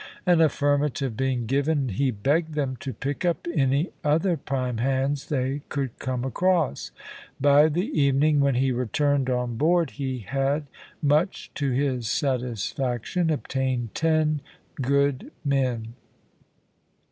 An affirmative being given, he begged them to pick up any other prime hands they could come across. By the evening, when he returned on board, he had, much to his satisfaction, obtained ten good men.